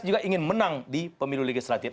juga ingin menang di pemilu liga selatan